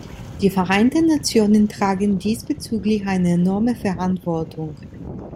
Die Vereinten Nationen tragen diesbezüglich eine enorme Verantwortung.